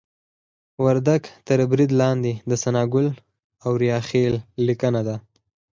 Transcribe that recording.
وردګ تر برید لاندې د ثناګل اوریاخیل لیکنه ده